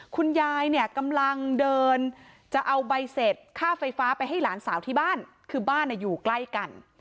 คุณยายเนี่ยกำลังเดินจะเอาใบเสร็จค่าไฟฟ้าไปให้หลานสาวที่บ้านคือบ้านอยู่ใกล้กัน